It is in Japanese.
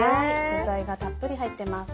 具材がたっぷり入ってます。